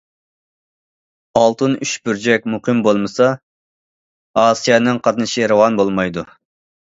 ئالتۇن ئۈچ بۇرجەك مۇقىم بولمىسا، ئاسىيانىڭ قاتنىشى راۋان بولمايدۇ.